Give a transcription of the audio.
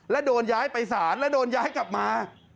และโดนย้ายไปศาลและโดนย้ายกลับมา